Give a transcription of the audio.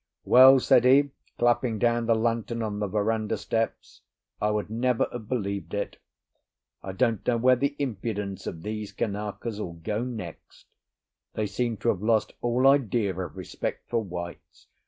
"Well," said he, clapping down the lantern on the verandah steps, "I would never have believed it. I don't know where the impudence of these Kanakas 'll go next; they seem to have lost all idea of respect for whites.